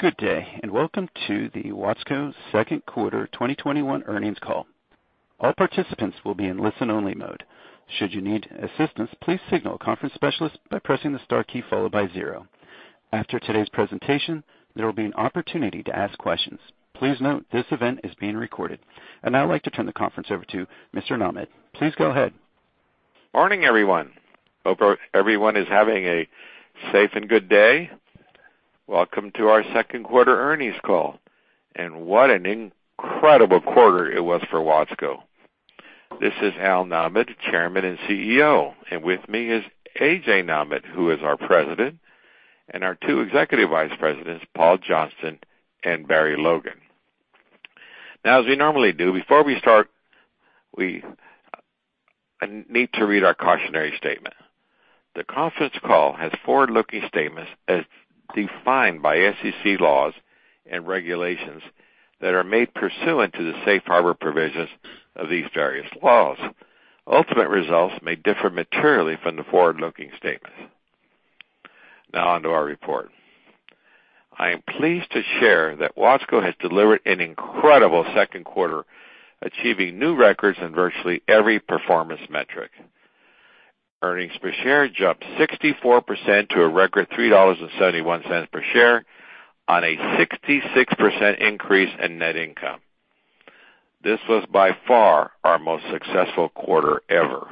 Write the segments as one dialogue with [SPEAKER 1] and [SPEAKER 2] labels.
[SPEAKER 1] Good day, welcome to the Watsco second quarter 2021 earnings call. All participants will be in listen only mode. Should you need assistance please signal conference specialist by pressing star key followed by zero. After today's presentation, there will be an opportunity to ask questions. Please note this event is being recorded. I'd now like to turn the conference over to Mr. Nahmad. Please go ahead.
[SPEAKER 2] Morning, everyone. Hope everyone is having a safe and good day. Welcome to our second quarter earnings call, and what an incredible quarter it was for Watsco. This is Al Nahmad, Chairman and CEO, and with me is AJ Nahmad, who is our President, and our two Executive Vice Presidents, Paul Johnston and Barry Logan. Now, as we normally do, before we start, we need to read our cautionary statement. The conference call has forward-looking statements as defined by SEC laws and regulations that are made pursuant to the safe harbor provisions of these various laws. Ultimate results may differ materially from the forward-looking statements. Now onto our report. I am pleased to share that Watsco has delivered an incredible second quarter, achieving new records in virtually every performance metric. Earnings per share jumped 64% to a record $3.71 per share on a 66% increase in net income. This was by far our most successful quarter ever.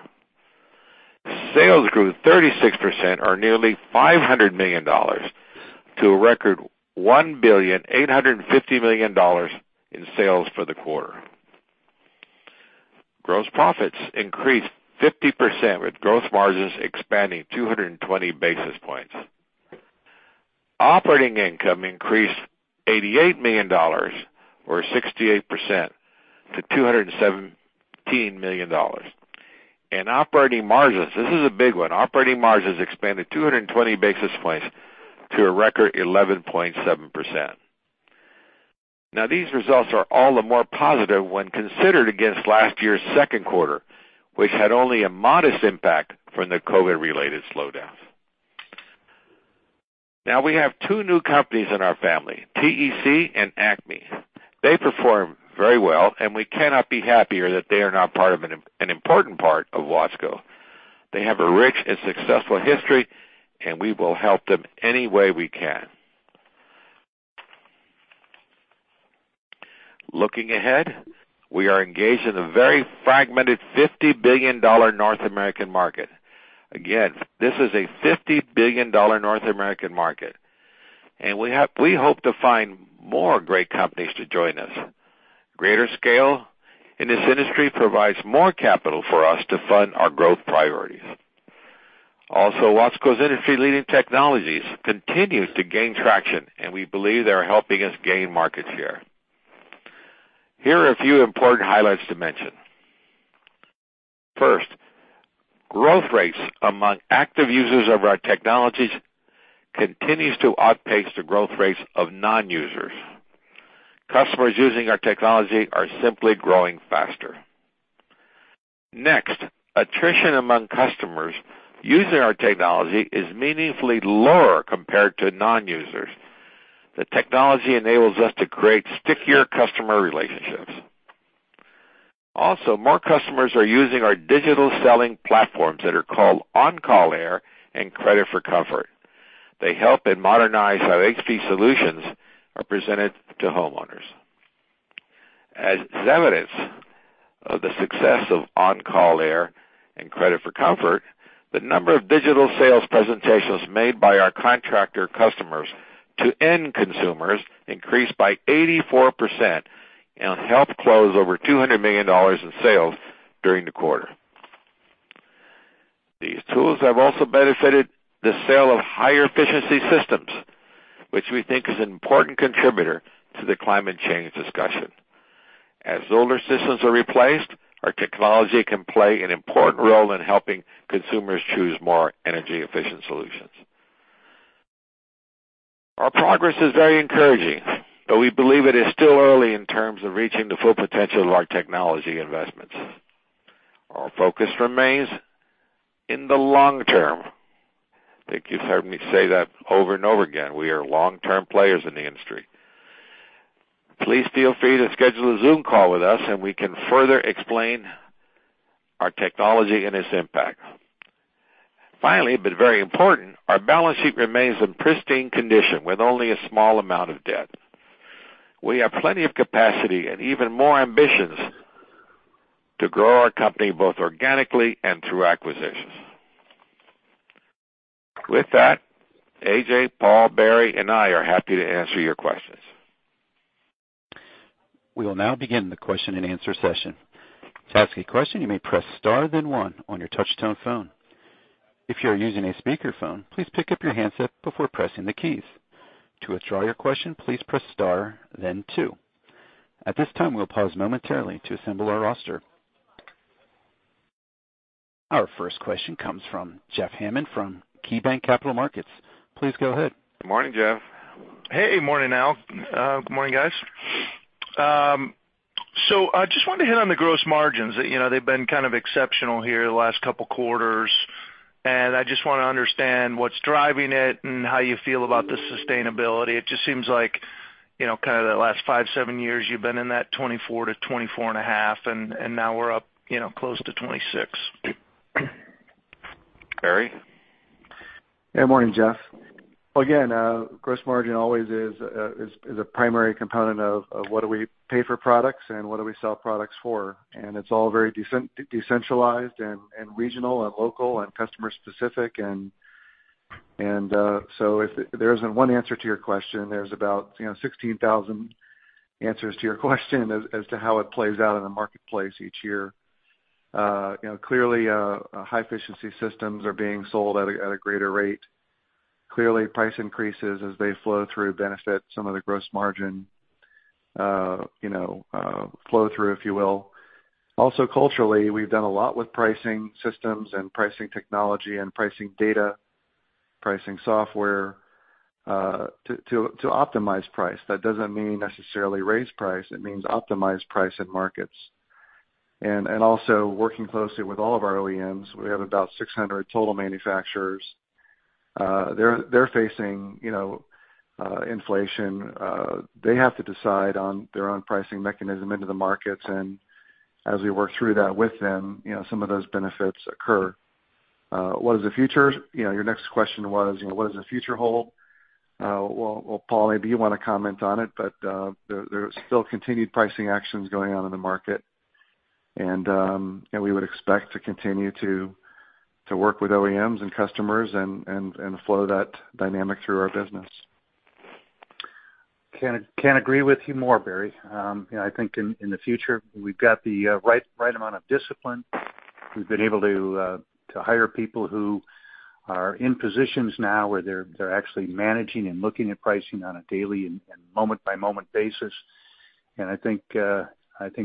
[SPEAKER 2] Sales grew 36%, or nearly $500 million, to a record $1.85 billion In sales for the quarter. Gross profits increased 50%, with gross margins expanding 220 basis points. Operating income increased $88 million, or 68%, to $217 million. Operating margins, this is a big one, operating margins expanded 220 basis points to a record 11.7%. These results are all the more positive when considered against last year's second quarter, which had only a modest impact from the COVID-related slowdowns. We have two new companies in our family, TEC and Acme. They perform very well, and we cannot be happier that they are now an important part of Watsco. They have a rich and successful history, and we will help them any way we can. Looking ahead, we are engaged in a very fragmented $50 billion North American market. Again, this is a $50 billion North American market, and we hope to find more great companies to join us. Greater scale in this industry provides more capital for us to fund our growth priorities. Also, Watsco's industry-leading technologies continues to gain traction, and we believe they are helping us gain market share. Here are a few important highlights to mention. First, growth rates among active users of our technologies continues to outpace the growth rates of non-users. Customers using our technology are simply growing faster. Next, attrition among customers using our technology is meaningfully lower compared to non-users. The technology enables us to create stickier customer relationships. Also, more customers are using our digital selling platforms that are called OnCall Air and CreditForComfort. They help and modernize how HVAC solutions are presented to homeowners. As evidence of the success of OnCall Air and CreditForComfort, the number of digital sales presentations made by our contractor customers to end consumers increased by 84% and helped close over $200 million in sales during the quarter. These tools have also benefited the sale of higher efficiency systems, which we think is an important contributor to the climate change discussion. As older systems are replaced, our technology can play an important role in helping consumers choose more energy-efficient solutions. Our progress is very encouraging, but we believe it is still early in terms of reaching the full potential of our technology investments. Our focus remains in the long term. I think you've heard me say that over and over again. We are long-term players in the industry. Please feel free to schedule a Zoom call with us and we can further explain our technology and its impact. Finally, but very important, our balance sheet remains in pristine condition with only a small amount of debt. We have plenty of capacity and even more ambitions to grow our company, both organically and through acquisitions. With that, AJ, Paul, Barry, and I are happy to answer your questions.
[SPEAKER 1] We will now begin the question and answer session. To ask a question you may press star then one on touchtone phone. If you are using a speakerphone please pick up your headset before pressing the keys. To withdraw your question please press star then two. At this time, we'll pause momentarily to assemble our roster. Our first question comes from Jeff Hammond, from KeyBanc Capital Markets. Please go ahead.
[SPEAKER 2] Good morning, Jeff.
[SPEAKER 3] Hey, morning, Al. Good morning, guys. I just wanted to hit on the gross margins. They've been kind of exceptional here the last couple quarters, and I just want to understand what's driving it and how you feel about the sustainability. It just seems like, kind of the last 5-7 years, you've been in that 24%-24.5%, and now we're up close to 26%.
[SPEAKER 2] Barry?
[SPEAKER 4] Good morning, Jeff. Gross margin always is a primary component of what do we pay for products and what do we sell products for. It's all very decentralized and regional and local and customer specific. There isn't one answer to your question. There's about 16,000 answers to your question as to how it plays out in the marketplace each year. Clearly, high efficiency systems are being sold at a greater rate. Clearly, price increases as they flow through benefit some of the gross margin, flow through, if you will. Also culturally, we've done a lot with pricing systems and pricing technology and pricing data, pricing software, to optimize price. That doesn't mean necessarily raise price. It means optimize price in markets. And also working closely with all of our OEMs. We have about 600 total manufacturers. They're facing inflation. They have to decide on their own pricing mechanism into the markets, and as we work through that with them, some of those benefits occur. What does the future, your next question was, what does the future hold? Well, Paul, maybe you want to comment on it, but there's still continued pricing actions going on in the market. We would expect to continue to work with OEMs and customers and flow that dynamic through our business.
[SPEAKER 5] Can't agree with you more, Barry. I think in the future, we've got the right amount of discipline. We've been able to hire people who are in positions now where they're actually managing and looking at pricing on a daily and moment-by-moment basis. I think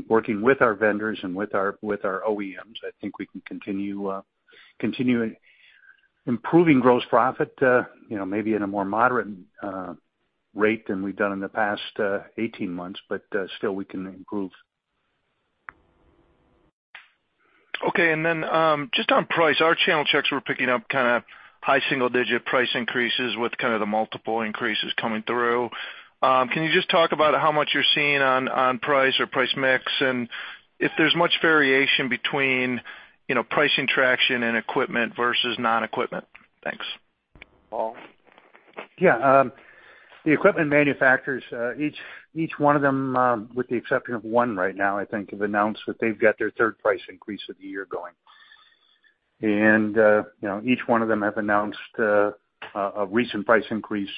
[SPEAKER 5] working with our vendors and with our OEMs, I think we can continue improving gross profit maybe in a more moderate rate than we've done in the past 18 months, but still we can improve.
[SPEAKER 3] Okay. Then just on price, our channel checks were picking up kind of high single-digit price increases with kind of the multiple increases coming through. Can you just talk about how much you're seeing on price or price mix and if there's much variation between pricing traction and equipment versus non-equipment? Thanks.
[SPEAKER 2] Paul?
[SPEAKER 5] The equipment manufacturers, each one of them, with the exception of one right now, I think, have announced that they've got their 3rd price increase of the year going. Each one of them have announced a recent price increase,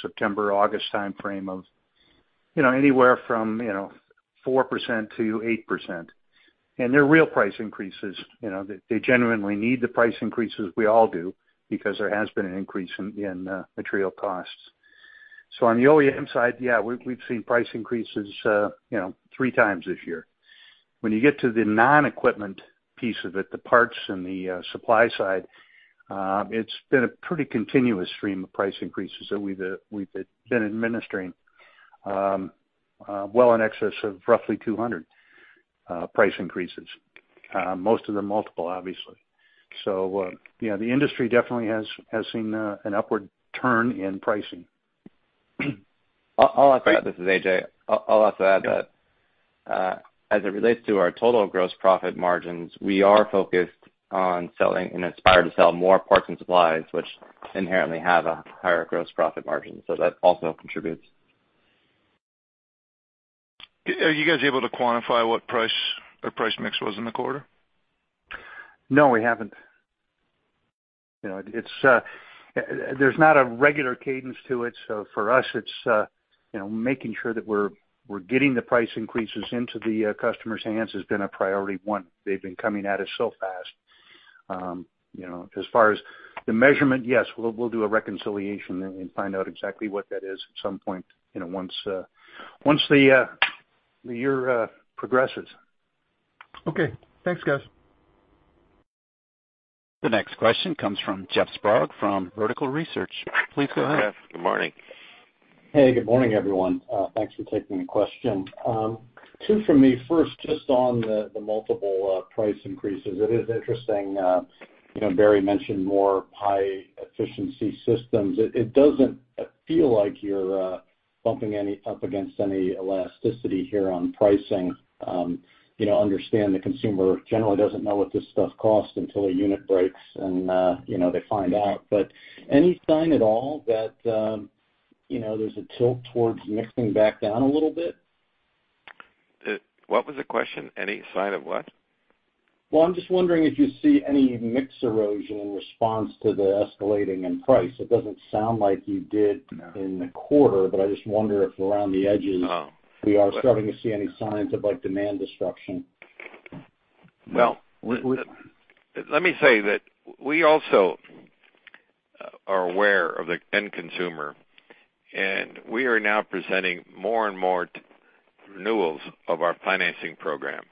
[SPEAKER 5] September, August timeframe of anywhere from 4%-8%. They're real price increases. They genuinely need the price increases. We all do, because there has been an increase in material costs. On the OEM side, we've seen price increases 3x this year. When you get to the non-equipment piece of it, the parts and the supply side, it's been a pretty continuous stream of price increases that we've been administering, well in excess of roughly 200 price increases. Most of them multiple, obviously. The industry definitely has seen an upward turn in pricing.
[SPEAKER 6] I'll also add, this is AJ. I'll also add that as it relates to our total gross profit margins, we are focused on selling and aspire to sell more parts and supplies, which inherently have a higher gross profit margin. That also contributes.
[SPEAKER 3] Are you guys able to quantify what price or price mix was in the quarter?
[SPEAKER 2] No, we haven't. There's not a regular cadence to it, so for us, it's making sure that we're getting the price increases into the customer's hands has been a priority one. They've been coming at us so fast. As far as the measurement, yes, we'll do a reconciliation and find out exactly what that is at some point, once the year progresses.
[SPEAKER 3] Okay. Thanks, guys.
[SPEAKER 1] The next question comes from Jeff Sprague from Vertical Research Partners. Please go ahead.
[SPEAKER 2] Jeff, good morning.
[SPEAKER 7] Hey, good morning, everyone. Thanks for taking the question. Two from me. First, just on the multiple price increases. It is interesting, Barry mentioned more high efficiency systems. It doesn't feel like you're bumping up against any elasticity here on pricing. Understand the consumer generally doesn't know what this stuff costs until a unit breaks and they find out. Any sign at all that there's a tilt towards mixing back down a little bit?
[SPEAKER 2] What was the question? Any sign of what?
[SPEAKER 7] Well, I'm just wondering if you see any mix erosion in response to the escalating end price? It doesn't sound like you did in the quarter. I just wonder if around the edges we are starting to see any signs of demand destruction?
[SPEAKER 2] Well, let me say that we also are aware of the end consumer, and we are now presenting more and more renewals of our financing program,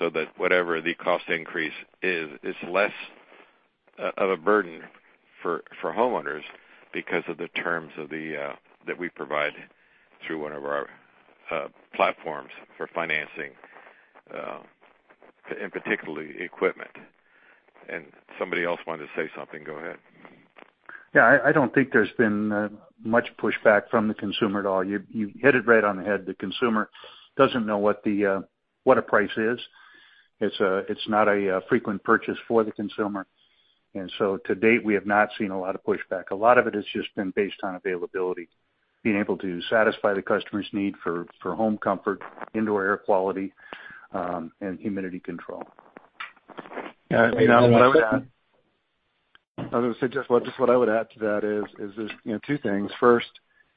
[SPEAKER 2] so that whatever the cost increase is, it's less of a burden for homeowners because of the terms that we provide through one of our platforms for financing, in particular equipment. Somebody else wanted to say something. Go ahead.
[SPEAKER 5] Yeah. I don't think there's been much pushback from the consumer at all. You hit it right on the head. The consumer doesn't know what a price is. It's not a frequent purchase for the consumer. To date, we have not seen a lot of pushback. A lot of it has just been based on availability, being able to satisfy the customer's need for home comfort, indoor air quality, and humidity control.
[SPEAKER 4] Al, what I would add. I was going to say, Jeff, just what I would add to that is two things. First,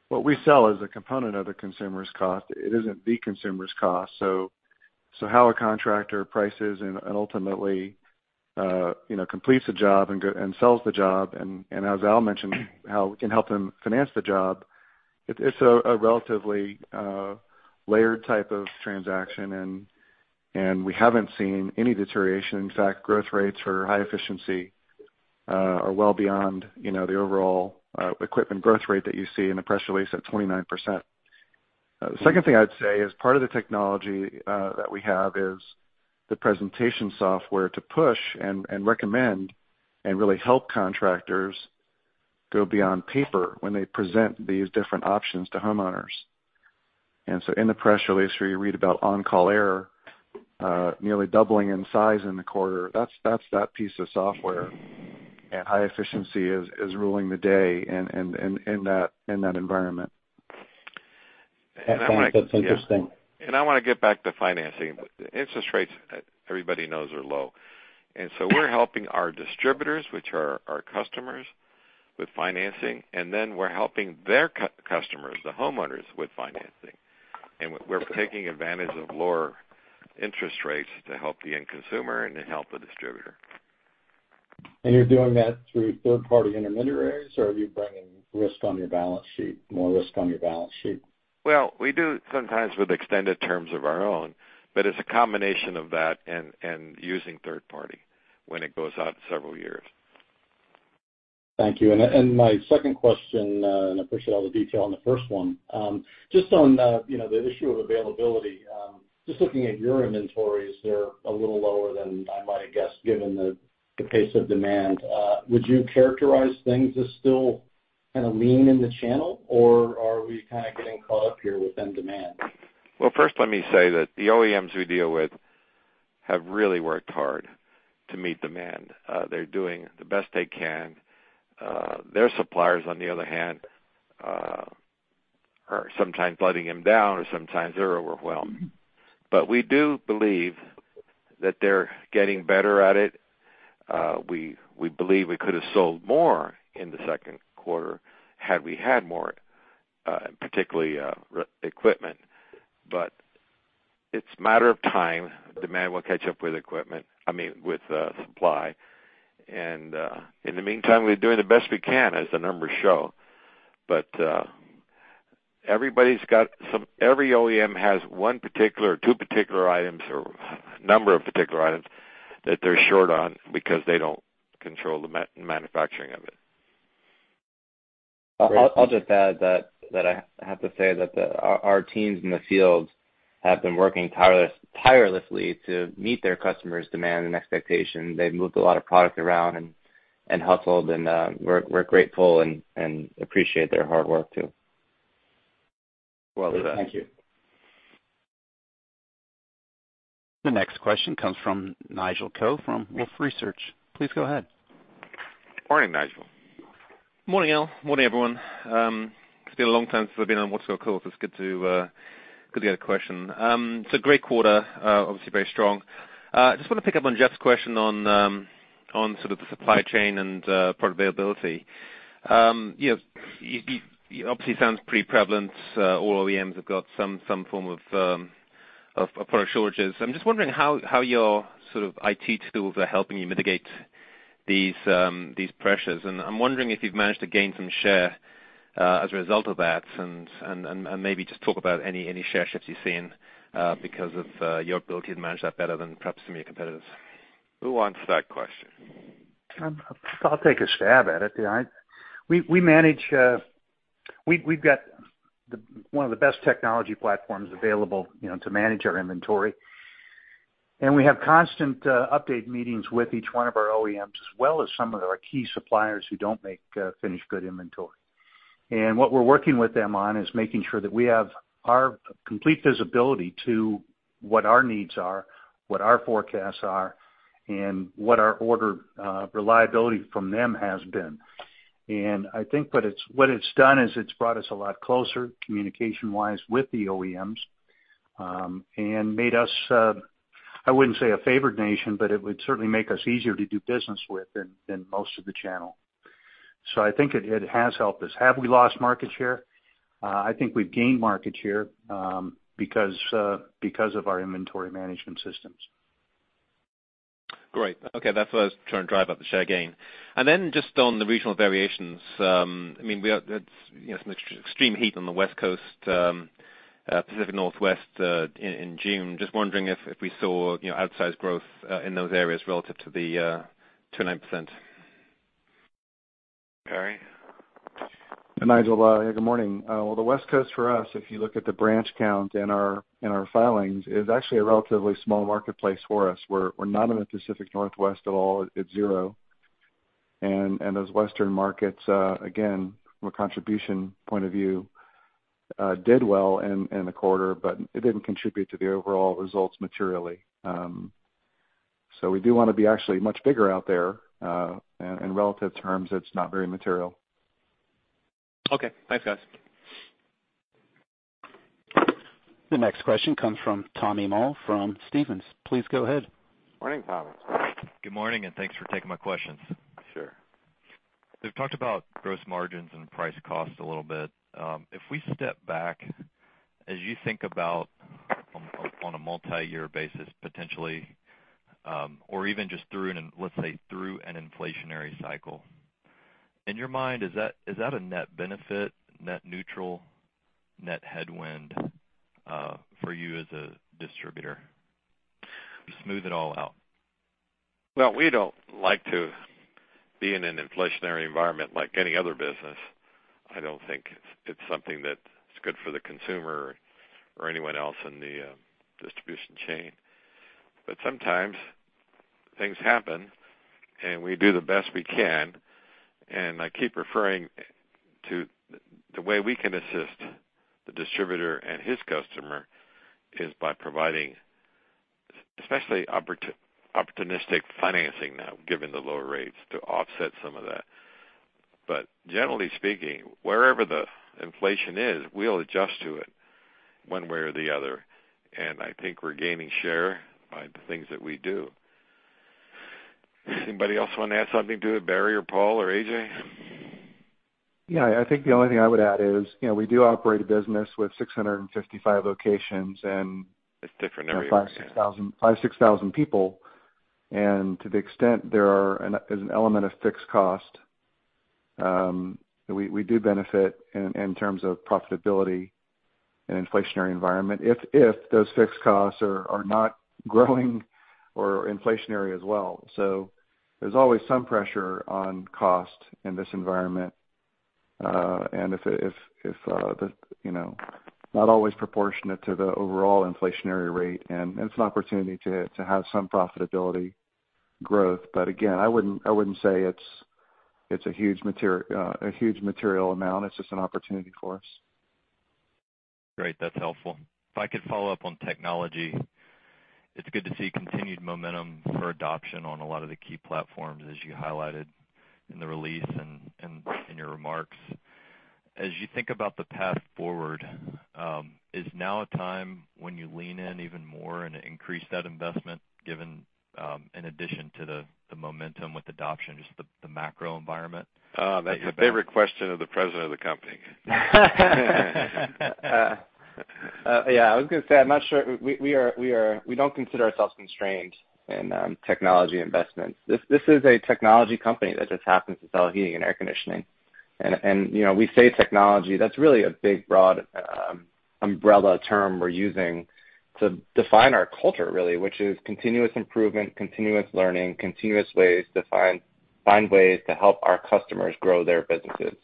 [SPEAKER 4] what we sell is a component of the consumer's cost. It isn't the consumer's cost. How a contractor prices and ultimately completes a job and sells the job, and as Al mentioned, how we can help them finance the job, it's a relatively layered type of transaction, and we haven't seen any deterioration. In fact, growth rates for high efficiency are well beyond the overall equipment growth rate that you see in the press release at 29%. The second thing I'd say is part of the technology that we have is the presentation software to push and recommend and really help contractors go beyond paper when they present these different options to homeowners. In the press release where you read about OnCall Air nearly doubling in size in the quarter, that's that piece of software. High efficiency is ruling the day in that environment.
[SPEAKER 7] That's interesting.
[SPEAKER 2] I want to get back to financing. Interest rates, everybody knows are low. We're helping our distributors, which are our customers, with financing, and then we're helping their customers, the homeowners, with financing. We're taking advantage of lower interest rates to help the end consumer and to help the distributor.
[SPEAKER 7] You're doing that through third-party intermediaries, or are you bringing more risk on your balance sheet?
[SPEAKER 2] Well, we do sometimes with extended terms of our own, but it's a combination of that and using third party when it goes out several years.
[SPEAKER 7] Thank you. My second question, I appreciate all the detail on the first one. Just on the issue of availability, just looking at your inventories, they're a little lower than I might have guessed given the pace of demand. Would you characterize things as still kind of lean in the channel, or are we kind of getting caught up here with end demand?
[SPEAKER 2] Well, first let me say that the OEMs we deal with have really worked hard to meet demand. They're doing the best they can. Their suppliers, on the other hand, are sometimes letting them down or sometimes they're overwhelmed. We do believe that they're getting better at it. We believe we could have sold more in the second quarter had we had more, particularly equipment. It's a matter of time. Demand will catch up with supply, and in the meantime, we're doing the best we can as the numbers show. Every OEM has one particular, two particular items, or a number of particular items that they're short on because they don't control the manufacturing of it.
[SPEAKER 5] I'll just add that I have to say that our teams in the field have been working tirelessly to meet their customers' demand and expectation. They've moved a lot of product around and hustled, and we're grateful and appreciate their hard work, too.
[SPEAKER 2] Well said.
[SPEAKER 7] Thank you.
[SPEAKER 1] The next question comes from Nigel Coe from Wolfe Research. Please go ahead.
[SPEAKER 2] Morning, Nigel.
[SPEAKER 8] Morning, Al. Morning, everyone. It's been a long time since I've been on a Watsco call, so it's good to get a question. Great quarter, obviously very strong. Just want to pick up on Jeff's question on sort of the supply chain and product availability. It obviously sounds pretty prevalent. All OEMs have got some form of product shortages. I'm just wondering how your sort of IT tools are helping you mitigate these pressures. I'm wondering if you've managed to gain some share as a result of that, and maybe just talk about any share shifts you've seen because of your ability to manage that better than perhaps some of your competitors.
[SPEAKER 2] Who wants that question?
[SPEAKER 5] I'll take a stab at it. We've got one of the best technology platforms available to manage our inventory. We have constant update meetings with each one of our OEMs as well as some of our key suppliers who don't make finished good inventory. What we're working with them on is making sure that we have complete visibility to what our needs are, what our forecasts are, and what our order reliability from them has been. I think what it's done is it's brought us a lot closer communication-wise with the OEMs, and made us, I wouldn't say a favored nation, but it would certainly make us easier to do business with than most of the channel. I think it has helped us. Have we lost market share? I think we've gained market share because of our inventory management systems.
[SPEAKER 8] Great. Okay. That's what I was trying to drive at, the share gain. Then just on the regional variations, some extreme heat on the West Coast, Pacific Northwest in June. Just wondering if we saw outsized growth in those areas relative to the 29%.
[SPEAKER 2] Barry?
[SPEAKER 4] Nigel, good morning. Well, the West Coast for us, if you look at the branch count and our filings, is actually a relatively small marketplace for us. We're not in the Pacific Northwest at all, it's zero. Those Western markets, again, from a contribution point of view, did well in the quarter, but it didn't contribute to the overall results materially. We do want to be actually much bigger out there. In relative terms, it's not very material.
[SPEAKER 8] Okay, thanks guys.
[SPEAKER 1] The next question comes from Tommy Moll from Stephens. Please go ahead.
[SPEAKER 2] Morning, Tommy.
[SPEAKER 9] Good morning, and thanks for taking my questions.
[SPEAKER 2] Sure.
[SPEAKER 9] We've talked about gross margins and price costs a little bit. If we step back, as you think about on a multi-year basis potentially, or even just let's say, through an inflationary cycle. In your mind, is that a net benefit, net neutral, net headwind, for you as a distributor? You smooth it all out.
[SPEAKER 2] Well, we don't like to be in an inflationary environment like any other business. I don't think it's something that's good for the consumer or anyone else in the distribution chain. Sometimes things happen, and we do the best we can. I keep referring to the way we can assist the distributor and his customer is by providing especially opportunistic financing now, given the low rates, to offset some of that. Generally speaking, wherever the inflation is, we'll adjust to it one way or the other. I think we're gaining share by the things that we do. Anybody else want to add something to it, Barry or Paul or AJ?
[SPEAKER 5] Yeah. I think the only thing I would add is, we do operate a business with 655 locations.
[SPEAKER 2] It's different everywhere, yeah.
[SPEAKER 5] 5,000, 6,000 people. To the extent there is an element of fixed cost, we do benefit in terms of profitability in inflationary environment if those fixed costs are not growing or inflationary as well. There's always some pressure on cost in this environment. If it is not always proportionate to the overall inflationary rate, and it's an opportunity to have some profitability growth. Again, I wouldn't say it's a huge material amount. It's just an opportunity for us.
[SPEAKER 9] Great. That's helpful. If I could follow up on technology. It's good to see continued momentum for adoption on a lot of the key platforms as you highlighted in the release and in your remarks. As you think about the path forward, is now a time when you lean in even more and increase that investment given, in addition to the momentum with adoption, just the macro environment?
[SPEAKER 2] That's the favorite question of the President of the company.
[SPEAKER 6] Yeah, I was going to say, I'm not sure. We don't consider ourselves constrained in technology investments. This is a technology company that just happens to sell heating and air conditioning. We say technology, that's really a big, broad, umbrella term we're using to define our culture, really, which is continuous improvement, continuous learning, continuous ways to find ways to help our customers grow their businesses,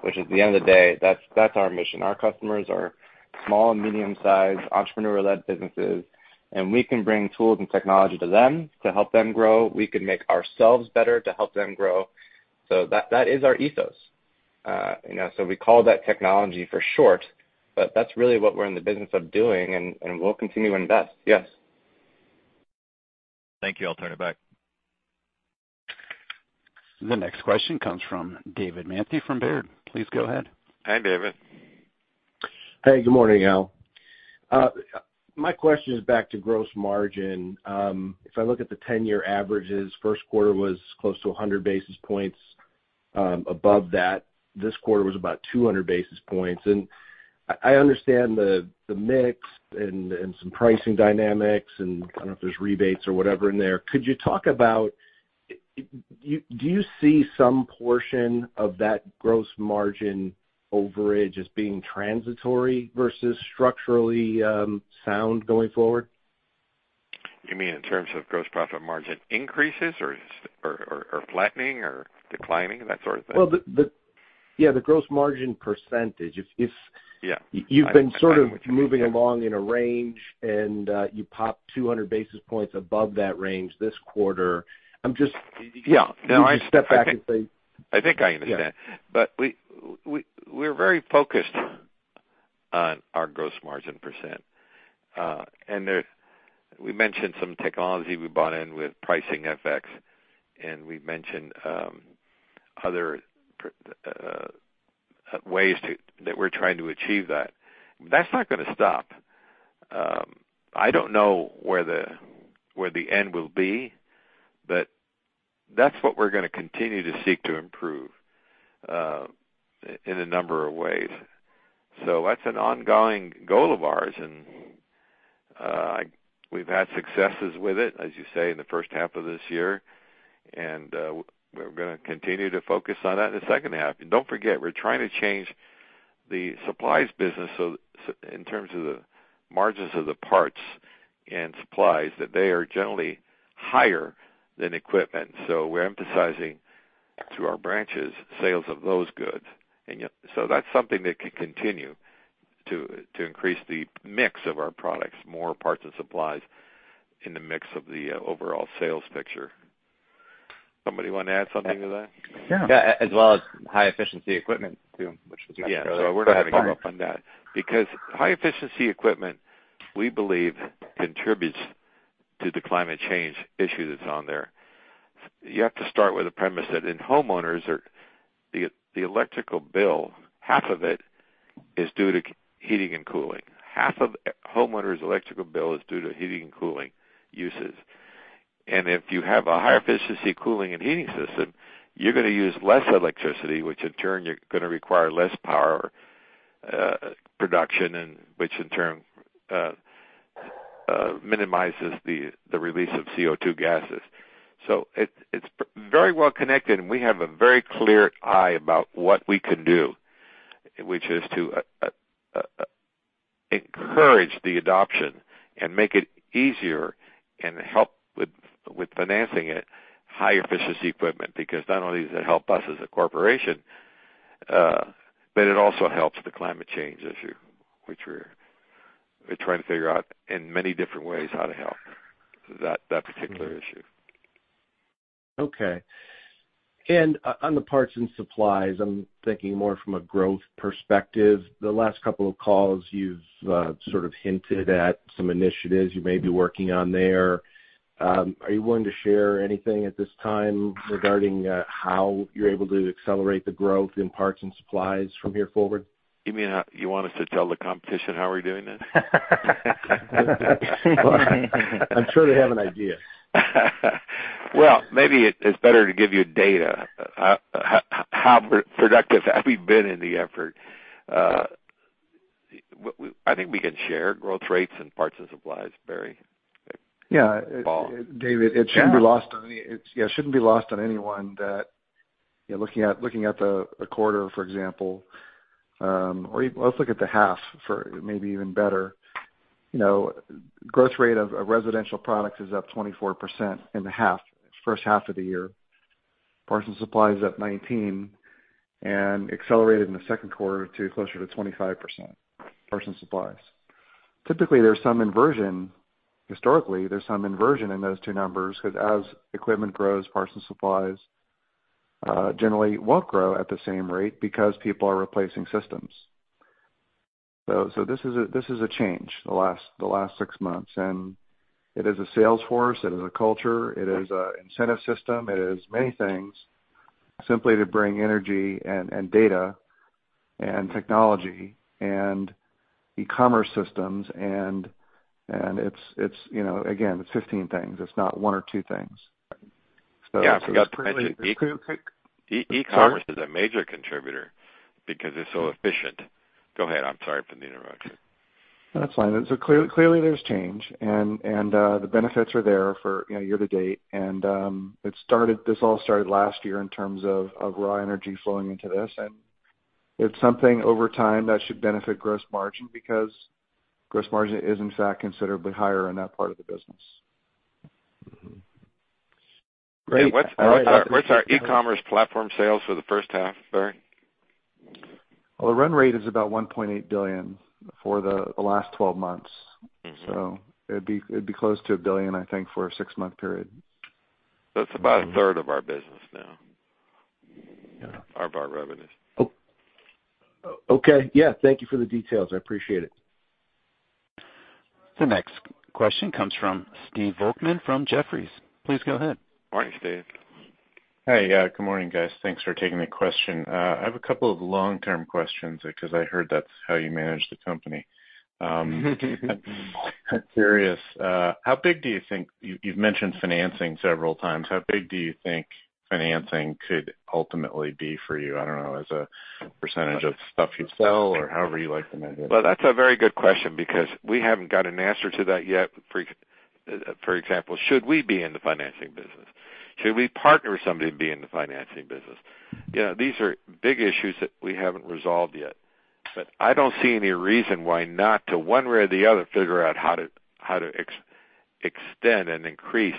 [SPEAKER 6] which at the end of the day, that's our mission. Our customers are small and medium-sized entrepreneur-led businesses, and we can bring tools and technology to them to help them grow. We can make ourselves better to help them grow. That is our ethos. We call that technology for short, but that's really what we're in the business of doing, and we'll continue to invest, yes.
[SPEAKER 9] Thank you. I'll turn it back.
[SPEAKER 1] The next question comes from David Manthey from Baird. Please go ahead.
[SPEAKER 2] Hi, David.
[SPEAKER 10] Hey, good morning, Al. My question is back to gross margin. If I look at the 10-year averages, first quarter was close to 100 basis points above that. This quarter was about 200 basis points. I understand the mix and some pricing dynamics and I don't know if there's rebates or whatever in there. Could you talk about, do you see some portion of that gross margin overage as being transitory versus structurally sound going forward?
[SPEAKER 2] You mean in terms of gross profit margin increases or flattening or declining, that sort of thing?
[SPEAKER 10] Well, yeah, the gross margin percentage.
[SPEAKER 2] Yeah.
[SPEAKER 10] You've been sort of moving along in a range and you pop 200 basis points above that range this quarter.
[SPEAKER 2] Yeah.
[SPEAKER 10] If I step back and say.
[SPEAKER 2] I think I understand.
[SPEAKER 10] Yeah.
[SPEAKER 2] We're very focused on our gross margin percent. We mentioned some technology we bought in with Pricefx, we mentioned other ways that we're trying to achieve that. That's not going to stop. I don't know where the end will be, that's what we're going to continue to seek to improve, in a number of ways. That's an ongoing goal of ours, we've had successes with it, as you say, in the first half of this year. We're going to continue to focus on that in the second half. Don't forget, we're trying to change the supplies business, in terms of the margins of the parts and supplies, that they are generally higher than equipment. We're emphasizing to our branches sales of those goods. That's something that could continue to increase the mix of our products, more parts and supplies in the mix of the overall sales picture. Somebody want to add something to that?
[SPEAKER 10] Yeah.
[SPEAKER 5] As well as high efficiency equipment too.
[SPEAKER 2] Yeah. We're going to follow up on that, because high efficiency equipment, we believe, contributes to the climate change issue that's on there. You have to start with the premise that in homeowners, the electrical bill, half of it is due to heating and cooling. Half of a homeowner's electrical bill is due to heating and cooling uses. If you have a higher efficiency cooling and heating system, you're going to use less electricity, which in turn, you're going to require less power production, and which in turn minimizes the release of CO2 gases. It's very well connected, and we have a very clear eye about what we can do, which is to encourage the adoption and make it easier and help with financing it, high efficiency equipment. Not only does it help us as a corporation, but it also helps the climate change issue, which we're trying to figure out in many different ways how to help that particular issue.
[SPEAKER 10] Okay. On the parts and supplies, I'm thinking more from a growth perspective. The last couple of calls, you've sort of hinted at some initiatives you may be working on there. Are you willing to share anything at this time regarding how you're able to accelerate the growth in parts and supplies from here forward?
[SPEAKER 2] You mean you want us to tell the competition how we're doing it?
[SPEAKER 10] I'm sure they have an idea.
[SPEAKER 2] Well, maybe it's better to give you data. How productive have we been in the effort? I think we can share growth rates and parts and supplies, Barry?
[SPEAKER 4] Yeah.
[SPEAKER 2] Paul?
[SPEAKER 4] David, it shouldn't be lost on anyone that looking at the quarter, for example, or let's look at the half, for it may be even better. Growth rate of residential products is up 24% in the first half of the year. Parts and supplies up 19% and accelerated in the second quarter to closer to 25%, parts and supplies. Typically, there's some inversion. Historically, there's some inversion in those two numbers, because as equipment grows, parts and supplies generally won't grow at the same rate because people are replacing systems. This is a change the last six months, and it is a sales force. It is a culture. It is an incentive system. It is many things simply to bring energy and data and technology and e-commerce systems, and again, it's 15 things. It's not one or two things.
[SPEAKER 2] I forgot to mention, e-commerce is a major contributor because it's so efficient. Go ahead. I'm sorry for the interruption.
[SPEAKER 4] That's fine. Clearly there's change, and the benefits are there for year-to-date. This all started last year in terms of raw energy flowing into this, and it's something over time that should benefit gross margin because gross margin is, in fact, considerably higher in that part of the business.
[SPEAKER 2] Great. What's our e-commerce platform sales for the first half, Barry?
[SPEAKER 4] Well, the run rate is about $1.8 billion for the last 12 months. It'd be close to $1 billion, I think, for a six-month period.
[SPEAKER 2] That's about a third of our business now.
[SPEAKER 4] Yeah.
[SPEAKER 2] Of our revenues.
[SPEAKER 10] Okay. Yeah. Thank you for the details. I appreciate it.
[SPEAKER 1] The next question comes from Stephen Volkmann from Jefferies. Please go ahead.
[SPEAKER 2] Morning, Stephen.
[SPEAKER 11] Hey. Good morning, guys. Thanks for taking the question. I have a couple of long-term questions because I heard that's how you manage the company. Curious, you've mentioned financing several times. How big do you think financing could ultimately be for you, I don't know, as a percentage of stuff you sell or however you like to measure it?
[SPEAKER 2] Well, that's a very good question because we haven't got an answer to that yet. For example, should we be in the financing business? Should we partner with somebody to be in the financing business? These are big issues that we haven't resolved yet, but I don't see any reason why not to one way or the other figure out how to extend and increase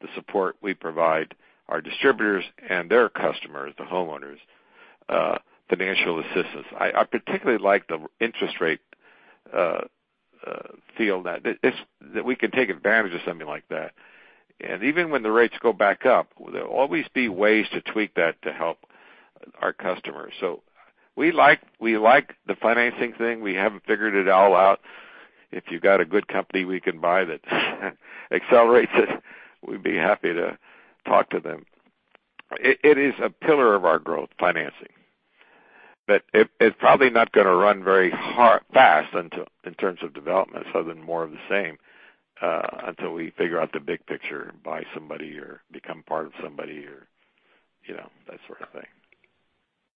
[SPEAKER 2] the support we provide our distributors and their customers, the homeowners, financial assistance. I particularly like the interest rate field, that we can take advantage of something like that. Even when the rates go back up, there'll always be ways to tweak that to help our customers. We like the financing thing. We haven't figured it all out. If you've got a good company we can buy that accelerates it, we'd be happy to talk to them. It is a pillar of our growth, financing. It's probably not going to run very fast in terms of development, other than more of the same, until we figure out the big picture, buy somebody or become part of somebody or that sort of thing.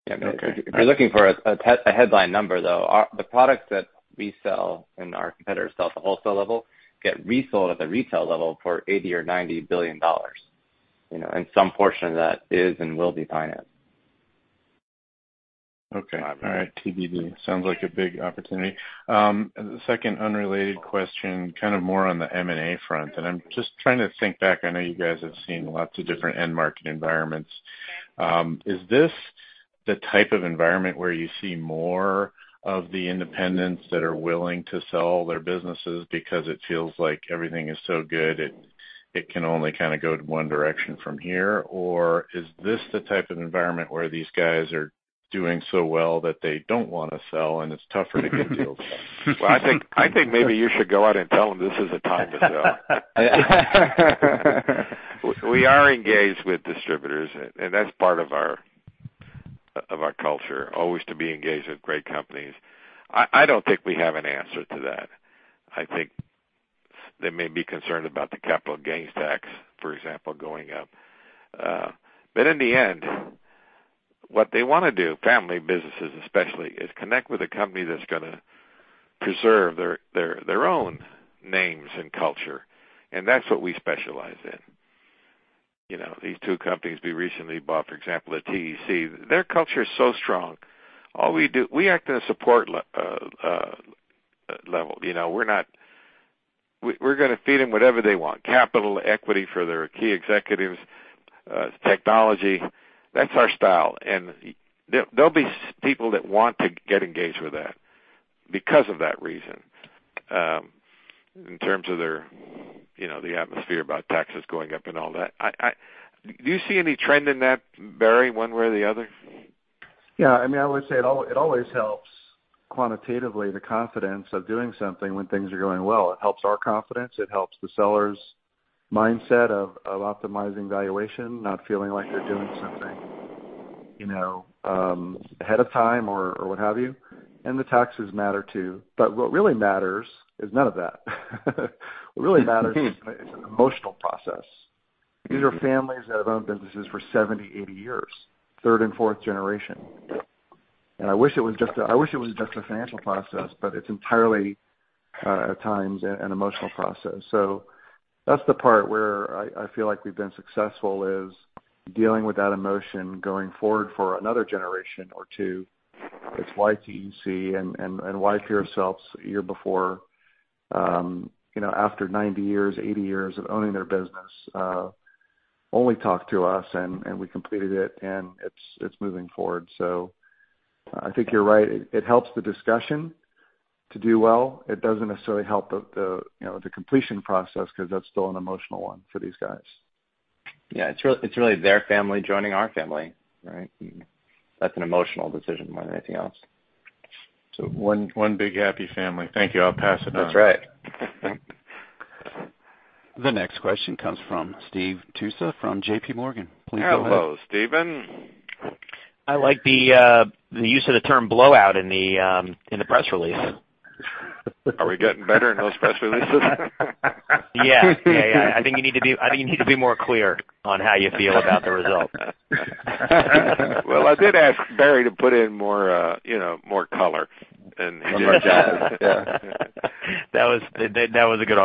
[SPEAKER 11] Okay.
[SPEAKER 6] If you're looking for a headline number, though, the products that we sell and our competitors sell at the wholesale level get resold at the retail level for $80 billion or $90 billion. Some portion of that is and will be finance.
[SPEAKER 11] Okay. All right. TBD. Sounds like a big opportunity. The second unrelated question, more on the M&A front, and I'm just trying to think back. I know you guys have seen lots of different end market environments. Is this the type of environment where you see more of the independents that are willing to sell their businesses because it feels like everything is so good it can only kind of go one direction from here? Is this the type of environment where these guys are doing so well that they don't want to sell and it's tougher to get deals done?
[SPEAKER 2] Well, I think maybe you should go out and tell them this is a time to sell. We are engaged with distributors, and that's part of our culture, always to be engaged with great companies. I don't think we have an answer to that. I think they may be concerned about the capital gains tax, for example, going up. In the end, what they want to do, family businesses especially, is connect with a company that's going to preserve their own names and culture, and that's what we specialize in. These two companies we recently bought, for example, at TEC, their culture is so strong. We act in a support level. We're going to feed them whatever they want. Capital, equity for their key executives, technology. That's our style, and there'll be people that want to get engaged with that because of that reason. In terms of the atmosphere about taxes going up and all that. Do you see any trend in that, Barry, one way or the other?
[SPEAKER 4] I would say it always helps quantitatively the confidence of doing something when things are going well. It helps our confidence. It helps the seller's mindset of optimizing valuation, not feeling like they're doing something ahead of time or what have you, and the taxes matter, too. What really matters is none of that. What really matters is an emotional process. These are families that have owned businesses for 70, 80 years, third and fourth generation. I wish it was just a financial process. It's entirely, at times, an emotional process. That's the part where I feel like we've been successful is dealing with that emotion going forward for another generation or two. It's why TEC and why Peirce-Phelps a year before after 90 years, 80 years of owning their business, only talked to us. We completed it. It's moving forward. I think you're right. It helps the discussion to do well. It doesn't necessarily help the completion process because that's still an emotional one for these guys.
[SPEAKER 6] Yeah. It's really their family joining our family, right? That's an emotional decision more than anything else.
[SPEAKER 4] One big happy family. Thank you. I'll pass it on.
[SPEAKER 6] That's right.
[SPEAKER 1] The next question comes from Steve Tusa from JPMorgan. Please go ahead.
[SPEAKER 2] Hello, Stephen.
[SPEAKER 12] I like the use of the term blowout in the press release.
[SPEAKER 2] Are we getting better in those press releases?
[SPEAKER 12] Yeah. I think you need to be more clear on how you feel about the result.
[SPEAKER 2] Well, I did ask Barry to put in more color in his job.
[SPEAKER 12] That was a good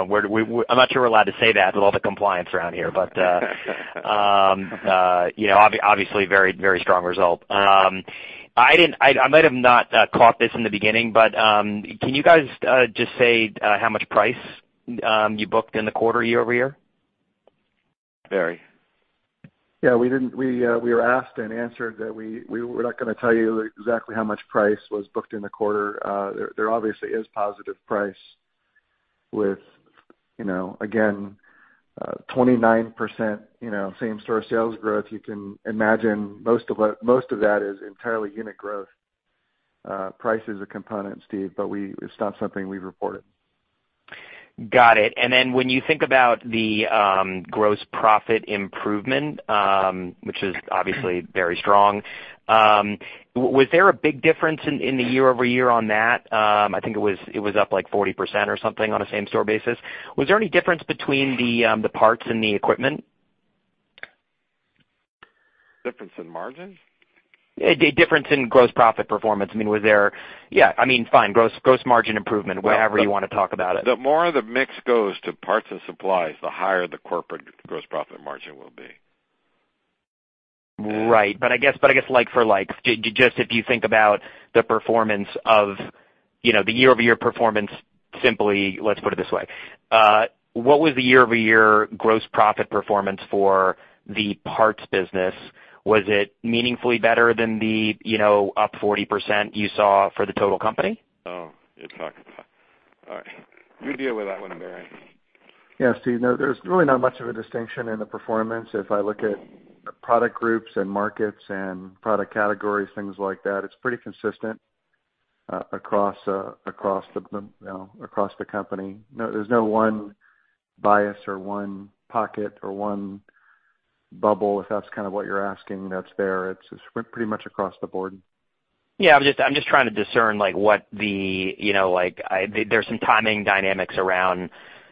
[SPEAKER 12] one. I'm not sure we're allowed to say that with all the compliance around here, obviously, very strong result. I might have not caught this in the beginning, can you guys just say how much price you booked in the quarter year-over-year?
[SPEAKER 2] Barry?
[SPEAKER 4] Yeah, we were asked and answered that we were not going to tell you exactly how much price was booked in the quarter. There obviously is positive price with, again, 29% same-store sales growth. You can imagine most of that is entirely unit growth. Price is a component, Steve, but it's not something we've reported.
[SPEAKER 12] Got it. When you think about the gross profit improvement, which is obviously very strong, was there a big difference in the year-over-year on that? I think it was up 40% or something on a same-store basis. Was there any difference between the parts and the equipment?
[SPEAKER 2] Difference in margin?
[SPEAKER 12] Difference in gross profit performance. Fine, gross margin improvement, whatever you want to talk about it.
[SPEAKER 2] The more the mix goes to parts and supplies, the higher the corporate gross profit margin will be.
[SPEAKER 12] Right. I guess like for likes, just if you think about the year-over-year performance simply, let's put it this way. What was the year-over-year gross profit performance for the parts business? Was it meaningfully better than the up 40% you saw for the total company?
[SPEAKER 2] Oh, you're talking about. All right. You deal with that one, Barry.
[SPEAKER 4] Yeah, Steve, no, there's really not much of a distinction in the performance. If I look at product groups and markets and product categories, things like that, it's pretty consistent across the company. There's no one bias or one pocket or one bubble, if that's kind of what you're asking, that's there. It's pretty much across the board.
[SPEAKER 12] Yeah, I'm just trying to discern, there's some timing dynamics around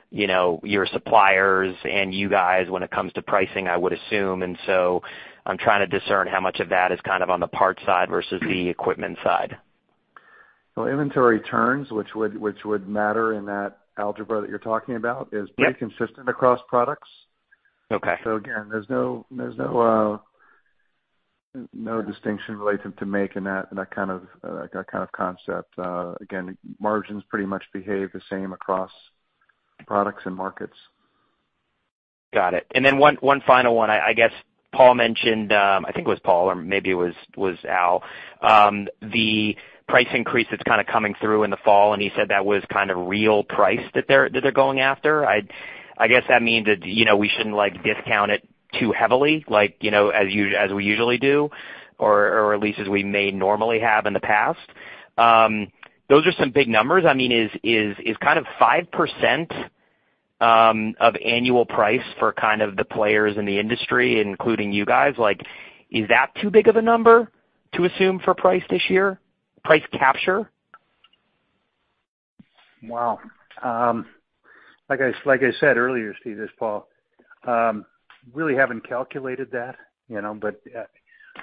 [SPEAKER 12] your suppliers and you guys when it comes to pricing, I would assume. I'm trying to discern how much of that is kind of on the parts side versus the equipment side.
[SPEAKER 4] Well, inventory turns, which would matter in that algebra that you're talking about, is pretty consistent across products.
[SPEAKER 12] Okay.
[SPEAKER 4] Again, there's no distinction related to making that kind of concept. Again, margins pretty much behave the same across products and markets.
[SPEAKER 12] Got it. Then one final one. I guess Paul mentioned, I think it was Paul or maybe it was Al, the price increase that's kind of coming through in the fall, and he said that was kind of real price that they're going after. I guess that means that we shouldn't discount it too heavily as we usually do, or at least as we may normally have in the past. Those are some big numbers. Is 5% of annual price for the players in the industry, including you guys, is that too big of a number to assume for price this year? Price capture?
[SPEAKER 5] Wow. Like I said earlier, Steve, this is Paul. Really haven't calculated that.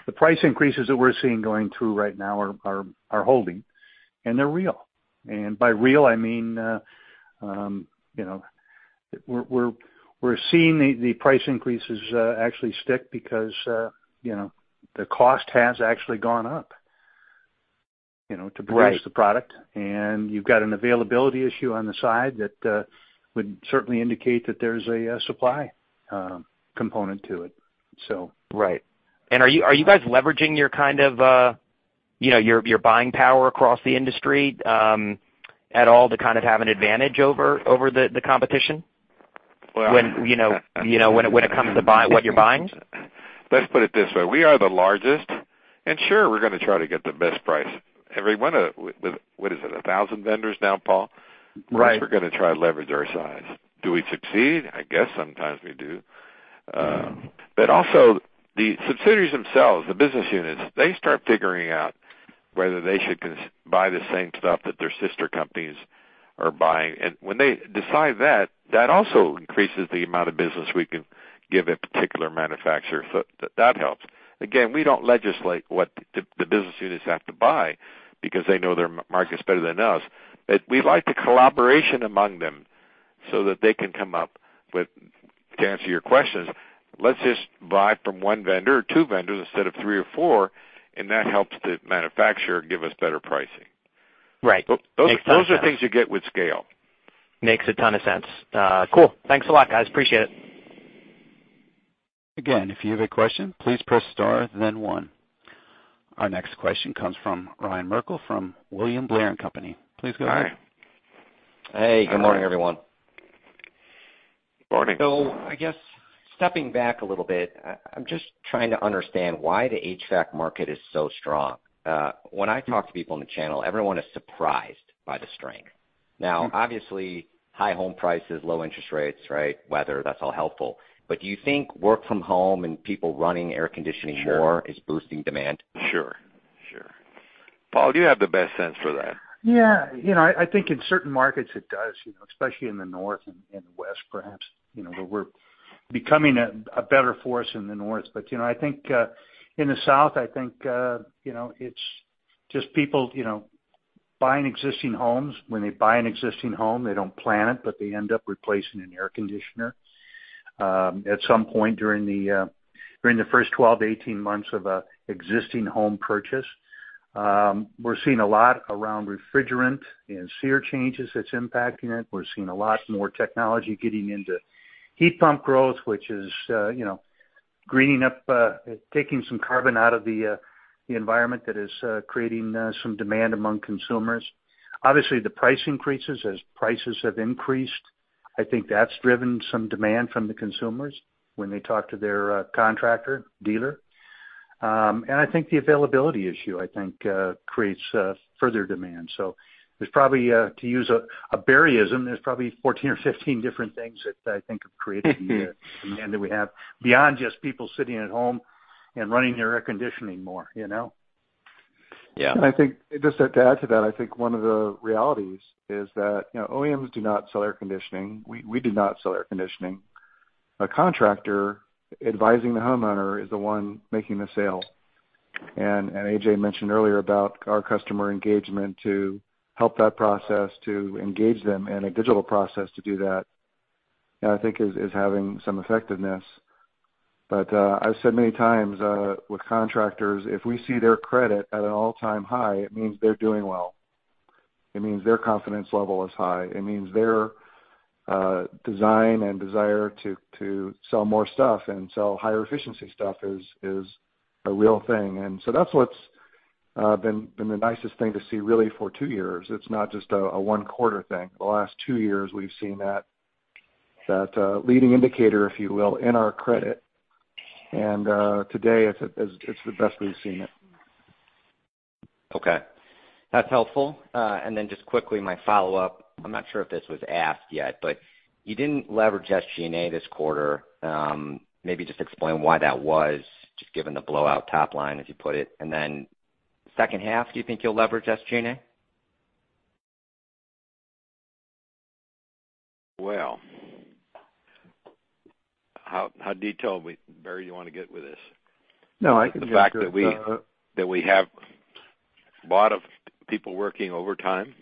[SPEAKER 5] The price increases that we're seeing going through right now are holding, and they're real. By real, I mean, we're seeing the price increases actually stick because the cost has actually gone up to produce the product. You've got an availability issue on the side that would certainly indicate that there's a supply component to it.
[SPEAKER 12] Right. Are you guys leveraging your buying power across the industry at all to have an advantage over the competition?
[SPEAKER 2] Well
[SPEAKER 12] When it comes to buying what you're buying.
[SPEAKER 2] Let's put it this way. We are the largest, and sure, we're going to try to get the best price. Everyone, what is it, 1,000 vendors now, Paul?
[SPEAKER 5] Right.
[SPEAKER 2] Of course, we're going to try to leverage our size. Do we succeed? I guess sometimes we do. The subsidiaries themselves, the business units, they start figuring out whether they should buy the same stuff that their sister companies are buying. When they decide that also increases the amount of business we can give a particular manufacturer. That helps. Again, we don't legislate what the business units have to buy because they know their markets better than us. We like the collaboration among them so that they can come up with, to answer your questions, let's just buy from one vendor or two vendors instead of three or four, and that helps the manufacturer give us better pricing.
[SPEAKER 12] Right. Makes sense.
[SPEAKER 2] Those are things you get with scale.
[SPEAKER 12] Makes a ton of sense. Cool. Thanks a lot, guys. Appreciate it.
[SPEAKER 1] Again, if you have a question, please press star then one. Our next question comes from Ryan Merkel from William Blair & Company. Please go ahead.
[SPEAKER 2] Hi.
[SPEAKER 13] Hey, good morning, everyone.
[SPEAKER 2] Morning.
[SPEAKER 13] I guess stepping back a little bit, I'm just trying to understand why the HVAC market is so strong. When I talk to people in the channel, everyone is surprised by the strength. Obviously, high home prices, low interest rates, right? Weather, that's all helpful. Do you think work from home and people running air conditioning more is boosting demand?
[SPEAKER 2] Sure. Paul, you have the best sense for that.
[SPEAKER 5] Yeah. I think in certain markets it does, especially in the north and west, perhaps. We're becoming a better force in the north. I think in the south, it's just people buying existing homes. When they buy an existing home, they don't plan it, but they end up replacing an air conditioner at some point during the first 12-18 months of an existing home purchase. We're seeing a lot around refrigerant and SEER changes that's impacting it. We're seeing a lot more technology getting into heat pump growth, which is greening up, taking some carbon out of the environment that is creating some demand among consumers. Obviously, the price increases as prices have increased. I think that's driven some demand from the consumers when they talk to their contractor dealer. I think the availability issue creates further demand. There's probably, to use a Barryism, there's probably 14 or 15 different things that I think have created the demand that we have beyond just people sitting at home and running their air conditioning more.
[SPEAKER 13] Yeah.
[SPEAKER 4] I think just to add to that, I think one of the realities is that OEMs do not sell air conditioning. We do not sell air conditioning. A contractor advising the homeowner is the one making the sale. AJ mentioned earlier about our customer engagement to help that process, to engage them in a digital process to do that, and I think is having some effectiveness. I've said many times, with contractors, if we see their credit at an all-time high, it means they're doing well. It means their confidence level is high. It means their design and desire to sell more stuff and sell higher efficiency stuff is a real thing. That's what's been the nicest thing to see really for two years. It's not just a one quarter thing. The last two years, we've seen that leading indicator, if you will, in our credit. Today it's the best we've seen it.
[SPEAKER 13] Okay. That's helpful. Just quickly, my follow-up. I'm not sure if this was asked yet, but you didn't leverage SG&A this quarter. Maybe just explain why that was, just given the blowout top line, as you put it. Second half, do you think you'll leverage SG&A?
[SPEAKER 2] Well, how detailed, Barry, you want to get with this?
[SPEAKER 4] No, I can just.
[SPEAKER 2] The fact that we have a lot of people working overtime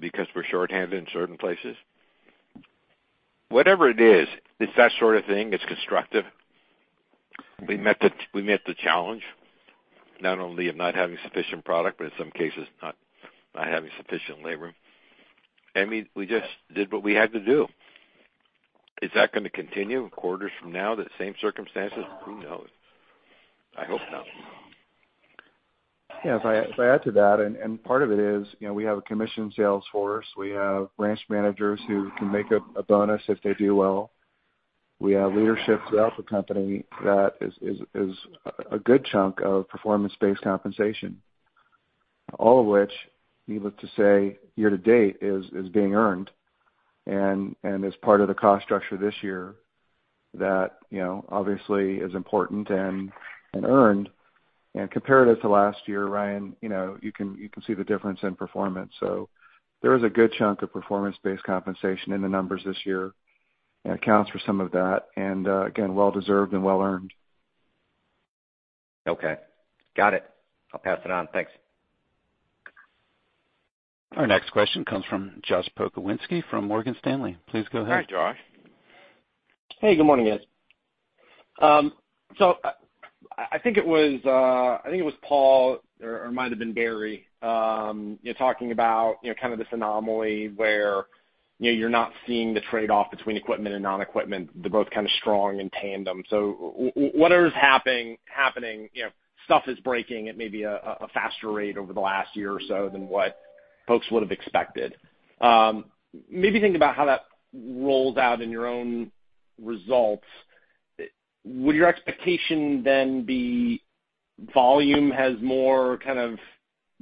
[SPEAKER 2] because we're short-handed in certain places. Whatever it is, it's that sort of thing. It's constructive. We met the challenge not only of not having sufficient product, but in some cases, not having sufficient labor. We just did what we had to do. Is that going to continue quarters from now, the same circumstances? Who knows? I hope not.
[SPEAKER 4] Yeah. If I add to that, part of it is, we have a commission sales force. We have branch managers who can make a bonus if they do well. We have leadership throughout the company that is a good chunk of performance-based compensation. All of which, needless to say, year to date is being earned and is part of the cost structure this year that obviously is important and earned. Comparative to last year, Ryan, you can see the difference in performance. There is a good chunk of performance-based compensation in the numbers this year, and it accounts for some of that, and again, well-deserved and well-earned.
[SPEAKER 13] Okay. Got it. I'll pass it on. Thanks.
[SPEAKER 1] Our next question comes from Josh Pokrzywinski from Morgan Stanley. Please go ahead.
[SPEAKER 2] Hi, Josh.
[SPEAKER 14] Hey, good morning, guys. I think it was Paul Johnston or it might've been Barry Logan, talking about this anomaly where you're not seeing the trade-off between equipment and non-equipment. They're both kind of strong in tandem. Whatever's happening, stuff is breaking at maybe a faster rate over the last year or so than what folks would've expected. Maybe thinking about how that rolls out in your own results, would your expectation then be volume has more kind of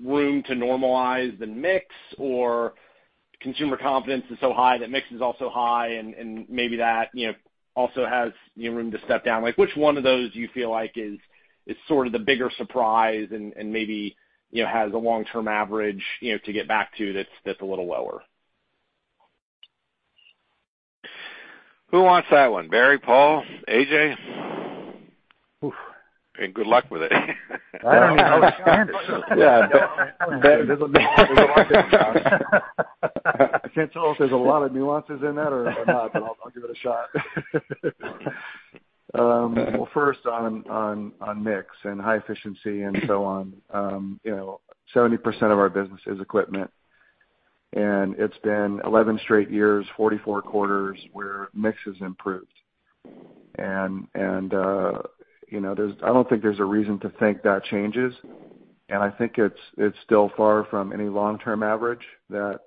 [SPEAKER 14] room to normalize than mix or consumer confidence is so high that mix is also high and maybe that also has room to step down? Which one of those do you feel like is sort of the bigger surprise and maybe has a long-term average to get back to that's a little lower?
[SPEAKER 2] Who wants that one? Barry? Paul? AJ?
[SPEAKER 4] Oof.
[SPEAKER 2] Good luck with it.
[SPEAKER 4] I don't even know where to start.
[SPEAKER 5] Yeah.
[SPEAKER 4] I can't tell if there's a lot of nuances in that or not, but I'll give it a shot. Well, first on mix and high efficiency and so on, 70% of our business is equipment. It's been 11 straight years, 44 quarters, where mix has improved. I don't think there's a reason to think that changes, and I think it's still far from any long-term average that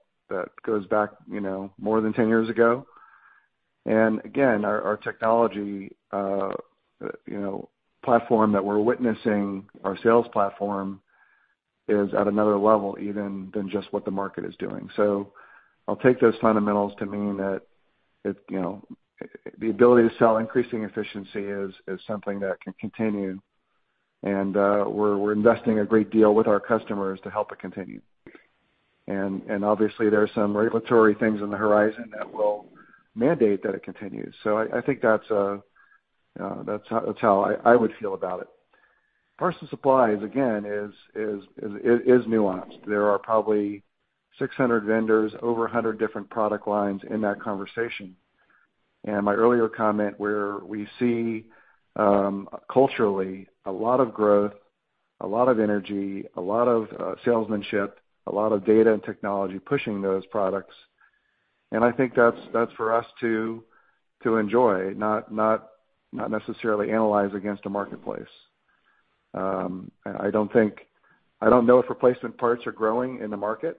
[SPEAKER 4] goes back more than 10 years ago. Again, our technology platform that we're witnessing, our sales platform, is at another level even than just what the market is doing. I'll take those fundamentals to mean that the ability to sell increasing efficiency is something that can continue, and we're investing a great deal with our customers to help it continue. Obviously, there are some regulatory things on the horizon that will mandate that it continues. I think that's how I would feel about it. Parts and supplies, again, is nuanced. There are probably 600 vendors, over 100 different product lines in that conversation. My earlier comment where we see culturally a lot of growth, a lot of energy, a lot of salesmanship, a lot of data and technology pushing those products, and I think that's for us to enjoy, not necessarily analyze against a marketplace. I don't know if replacement parts are growing in the market.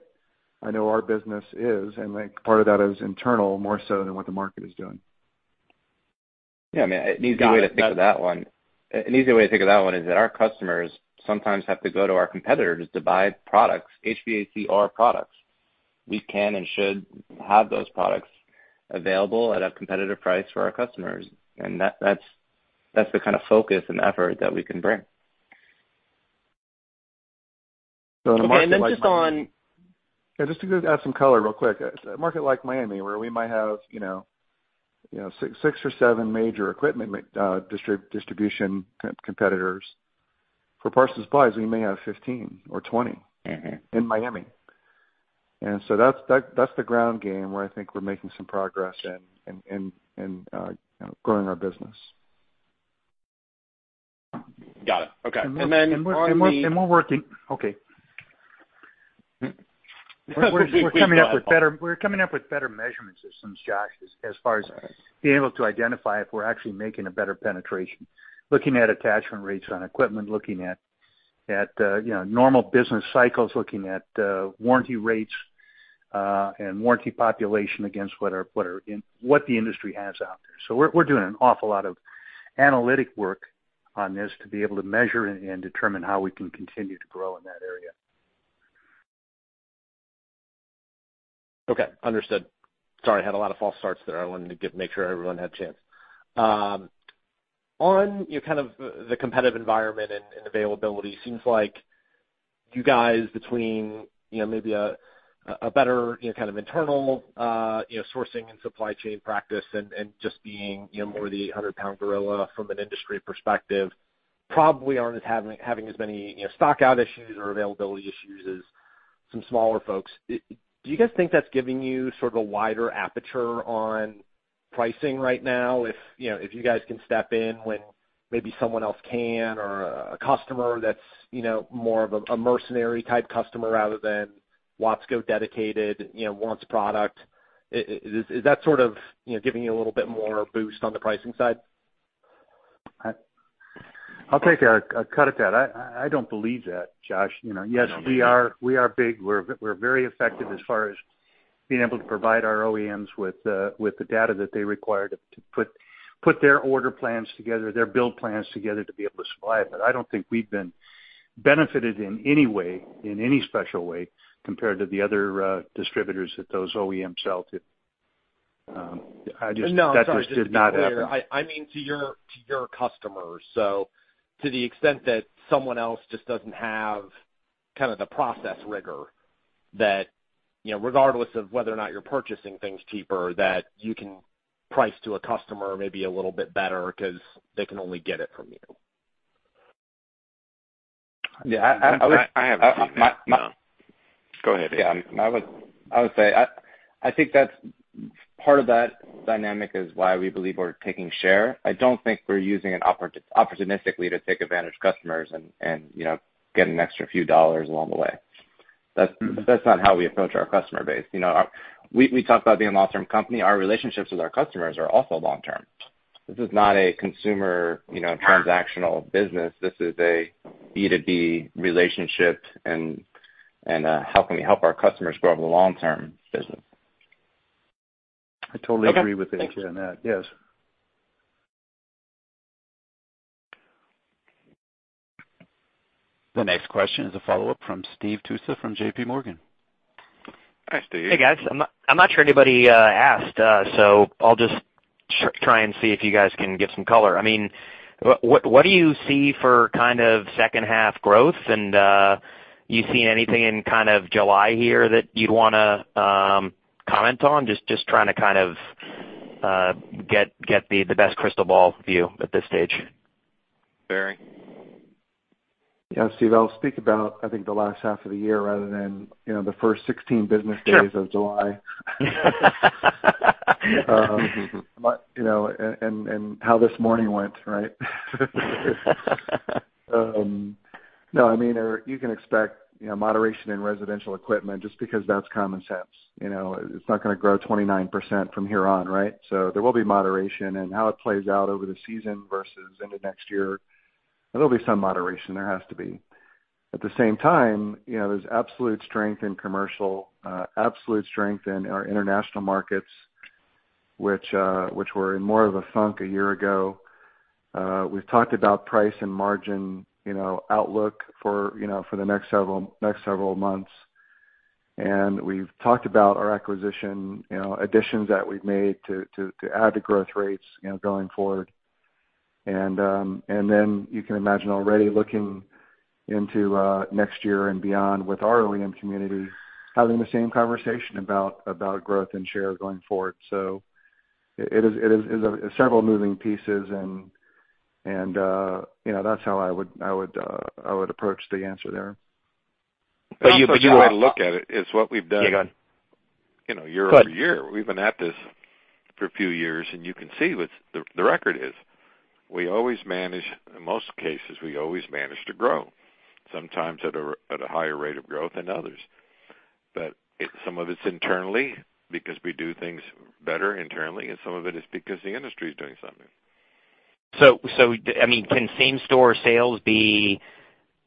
[SPEAKER 4] I know our business is, and part of that is internal more so than what the market is doing.
[SPEAKER 6] Yeah. An easier way to think of that one is that our customers sometimes have to go to our competitors to buy products, HVACR products. We can and should have those products available at a competitive price for our customers, and that's the kind of focus and effort that we can bring.
[SPEAKER 14] Okay.
[SPEAKER 4] Yeah, just to add some color real quick. A market like Miami, where we might have six or seven major equipment distribution competitors, for parts and supplies, we may have 15 or 20 in Miami. That's the ground game where I think we're making some progress in growing our business.
[SPEAKER 14] Got it. Okay.
[SPEAKER 4] Okay. We're coming up with better measurement systems, Josh, as far as being able to identify if we're actually making a better penetration, looking at attachment rates on equipment, looking at normal business cycles, looking at warranty rates, and warranty population against what the industry has out there. We're doing an awful lot of analytic work on this to be able to measure and determine how we can continue to grow in that area.
[SPEAKER 14] Okay. Understood. Sorry, I had a lot of false starts there. I wanted to make sure everyone had a chance. On kind of the competitive environment and availability, seems like you guys between maybe a better kind of internal sourcing and supply chain practice and just being more the 100-pound gorilla from an industry perspective, probably aren't having as many stock-out issues or availability issues as some smaller folks. Do you guys think that's giving you sort of a wider aperture on pricing right now? If you guys can step in when maybe someone else can't, or a customer that's more of a mercenary type customer rather than Watsco dedicated, wants product. Is that sort of giving you a little bit more boost on the pricing side?
[SPEAKER 4] I'll take a cut at that. I don't believe that, Josh. Yes, we are big. We're very effective as far as being able to provide our OEMs with the data that they require to put their order plans together, their build plans together to be able to supply it. I don't think we've been benefited in any way, in any special way, compared to the other distributors that those OEMs sell to.
[SPEAKER 14] No, I'm sorry. Just to be clear.
[SPEAKER 4] That just did not happen.
[SPEAKER 14] I mean to your customers. To the extent that someone else just doesn't have kind of the process rigor that, regardless of whether or not you're purchasing things cheaper, that you can price to a customer maybe a little bit better because they can only get it from you.
[SPEAKER 4] Yeah.
[SPEAKER 2] I haven't seen that, no. Go ahead, Aaron.
[SPEAKER 6] I would say, I think part of that dynamic is why we believe we're taking share. I don't think we're using it opportunistically to take advantage of customers and get an extra few dollars along the way. That's not how we approach our customer base. We talk about being a long-term company. Our relationships with our customers are also long-term. This is not a consumer, transactional business. This is a B2B relationship, and how can we help our customers grow over the long term business?
[SPEAKER 2] I totally agree with Aaron on that.
[SPEAKER 14] Okay, thanks.
[SPEAKER 2] Yes.
[SPEAKER 1] The next question is a follow-up from Steve Tusa from JPMorgan.
[SPEAKER 2] Hi, Steve.
[SPEAKER 12] Hey, guys. I'm not sure anybody asked, so I'll just try and see if you guys can give some color. What do you see for kind of second half growth? You seen anything in kind of July here that you'd want to comment on? Just trying to kind of get the best crystal ball view at this stage.
[SPEAKER 2] Barry?
[SPEAKER 4] Yeah, Steve, I'll speak about, I think, the last half of the year rather than the first 16 business days of July. How this morning went, right? No, you can expect moderation in residential equipment just because that's common sense. It's not going to grow 29% from here on, right? There will be moderation, and how it plays out over the season versus into next year, there'll be some moderation, there has to be. At the same time, there's absolute strength in commercial, absolute strength in our international markets, which were in more of a funk a year ago. We've talked about price and margin outlook for the next several months, and we've talked about our acquisition additions that we've made to add to growth rates going forward. You can imagine already looking into next year and beyond with our OEM community, having the same conversation about growth and share going forward. It is several moving pieces and that's how I would approach the answer there.
[SPEAKER 2] The best way to look at it is what we've done year-over-year. We've been at this for a few years, you can see what the record is. In most cases, we always manage to grow, sometimes at a higher rate of growth than others. Some of it's internally because we do things better internally, and some of it is because the industry is doing something.
[SPEAKER 12] So I mean same-store sales be,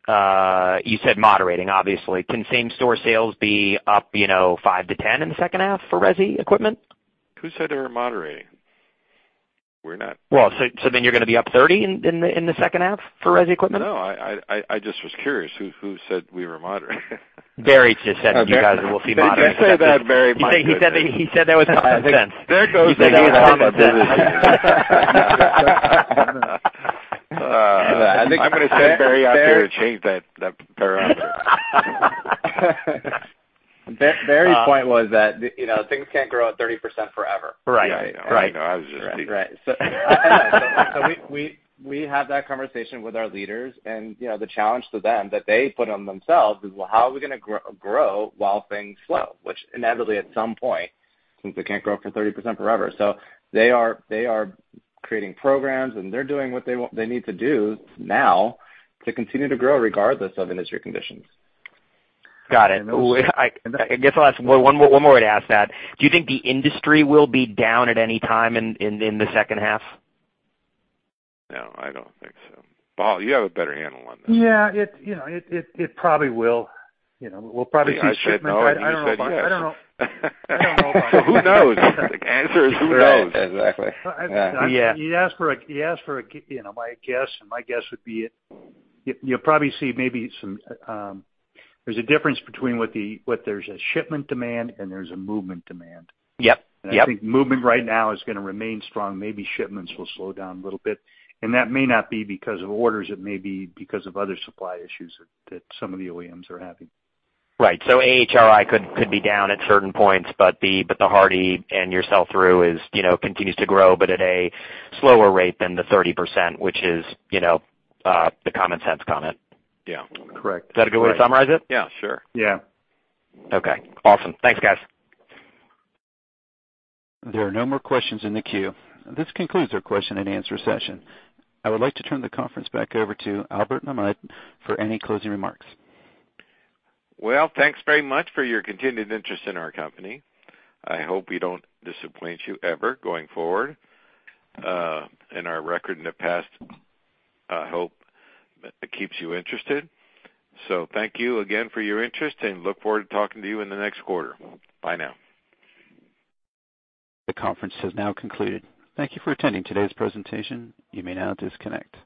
[SPEAKER 12] you said moderating, obviously. Can same store sales be up 5% to 10% in the second half for resi equipment?
[SPEAKER 2] Who said they were moderating? We're not.
[SPEAKER 12] You're going to be up 30% in the second half for resi equipment?
[SPEAKER 2] No, I just was curious who said we were moderating.
[SPEAKER 12] Barry just said that you guys will see moderation.
[SPEAKER 2] Don't say that, Barry.
[SPEAKER 12] He said that there was a sense.
[SPEAKER 2] There goes the whole business. I'm going to send Barry out there to change that parameter.
[SPEAKER 6] Barry's point was that things can't grow at 30% forever.
[SPEAKER 12] Right.
[SPEAKER 2] Yeah, I know. I was just teasing.
[SPEAKER 4] Right. We have that conversation with our leaders, and the challenge to them that they put on themselves is, well, how are we going to grow while things slow? Which inevitably at some point, since we can't grow up to 30% forever. They are creating programs, and they're doing what they need to do now to continue to grow regardless of industry conditions.
[SPEAKER 12] Got it. I guess I'll ask one more way to ask that. Do you think the industry will be down at any time in the second half?
[SPEAKER 2] No, I don't think so. Paul, you have a better handle on this.
[SPEAKER 5] Yeah. It probably will. We'll probably see shipments.
[SPEAKER 2] I said no, and you said yes.
[SPEAKER 5] I don't know about that.
[SPEAKER 2] Who knows? The answer is who knows.
[SPEAKER 5] Exactly. Yeah. You asked for my guess, and my guess would be, you'll probably see maybe there's a difference between what there's a shipment demand and there's a movement demand.
[SPEAKER 12] Yep.
[SPEAKER 5] I think movement right now is going to remain strong. Maybe shipments will slow down a little bit, and that may not be because of orders, it may be because of other supply issues that some of the OEMs are having.
[SPEAKER 12] Right. AHRI could be down at certain points, but the AHRI and your sell-through continues to grow, but at a slower rate than the 30%, which is the common sense comment.
[SPEAKER 2] Yeah.
[SPEAKER 5] Correct.
[SPEAKER 12] Is that a good way to summarize it?
[SPEAKER 2] Yeah, sure.
[SPEAKER 5] Yeah.
[SPEAKER 12] Okay, awesome. Thanks, guys.
[SPEAKER 1] There are no more questions in the queue. This concludes our question and answer session. I would like to turn the conference back over to Albert Nahmad for any closing remarks.
[SPEAKER 2] Well, thanks very much for your continued interest in our company. I hope we don't disappoint you ever going forward. Our record in the past, I hope, keeps you interested. Thank you again for your interest, and look forward to talking to you in the next quarter. Bye now.
[SPEAKER 1] The conference has now concluded. Thank you for attending today's presentation. You may now disconnect.